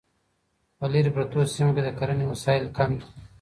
په لیرې پرتو سیمو کې د کرنې وسایل کم دي.